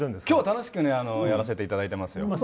今日は楽しくやらせていただいてますよ。